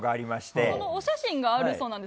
そのお写真があるそうなんです。